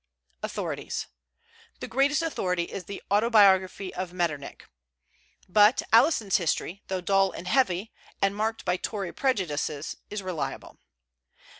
AUTHORITIES. The greatest authority is the Autobiography of Metternich; but Alison's History, though dull and heavy, and marked by Tory prejudices, is reliable.